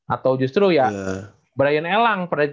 atau justru ya brian elang